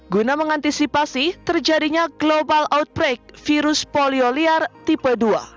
guna mengantisipasi terjadinya global outbreak virus polioliar tipe dua